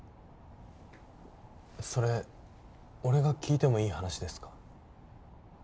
それ俺が聞いてもいい話ですか？